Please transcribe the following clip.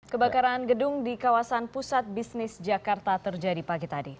kebakaran gedung di kawasan pusat bisnis jakarta terjadi pagi tadi